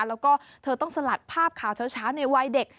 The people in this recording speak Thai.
แล้วก็เธอต้องสลัดภาพข่าวเช้าในวัยเด็ก